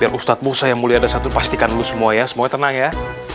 biar ustadzmu sayang mulia dasar tu pastikan dulu semua ya semuanya tenang ya